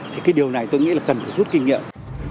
thì cái điều này tôi nghĩ là cần phải rút kinh nghiệm